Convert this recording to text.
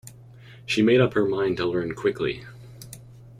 She made up her mind to learn quickly.